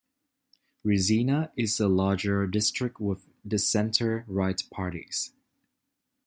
Rezina is a larger district with this center-right parties.